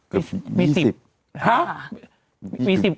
เกือบ๒๐ห้ะ